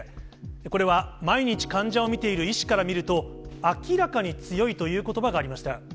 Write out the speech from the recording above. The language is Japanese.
これは、毎日患者を診ている医師から見ると、明らかに強いということばがありました。